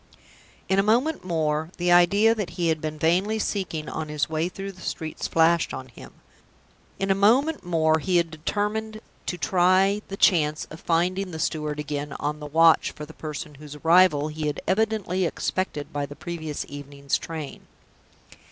In a moment more, the idea that he had been vainly seeking on his way through the streets flashed on him. In a moment more, he had determined to try the chance of finding the steward again on the watch for the person whose arrival he had evidently expected by the previous evening's train.